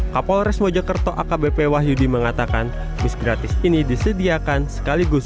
kapolres mojokerto akbp wahyudi mengatakan bis gratis ini disediakan sekaligus